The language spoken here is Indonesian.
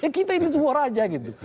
ya kita ini semua raja gitu